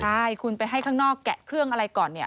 ใช่คุณไปให้ข้างนอกแกะเครื่องอะไรก่อนเนี่ย